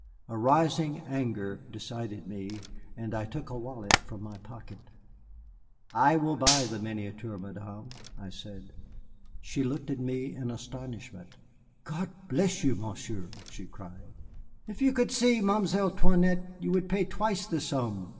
A rising anger decided me, and I took a wallet from my pocket. "I will buy the miniature, Madame," I said. She looked at me in astonishment. "God bless you, Monsieur," she cried; "if you could see Mamselle 'Toinette you would pay twice the sum.